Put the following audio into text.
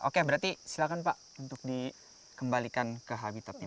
oke berarti silakan pak untuk dikembalikan ke habitat ini